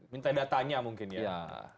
minta datanya mungkin ya